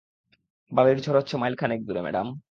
বালির ঝড় হচ্ছে মাইলখানেক দূরে, ম্যাডাম।